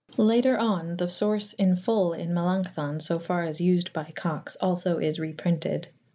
Later on the source in full in Melanchthon, so far as used by Cox, also is reprinted.